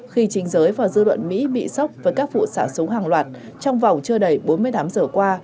khi chính giới và dư luận mỹ bị sốc với các vụ xả súng hàng loạt trong vòng chưa đầy bốn mươi tám giờ qua